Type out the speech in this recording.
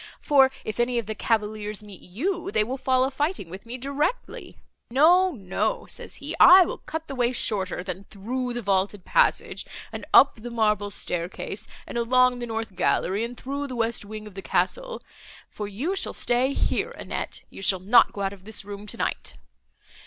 for if any of the cavaliers meet you, they will fall a fighting with me directly. No, no,' says he, 'I will cut the way shorter, than through the vaulted passage and up the marble staircase, and along the north gallery and through the west wing of the castle, for you shall stay here, Annette; you shall not go out of this room, tonight.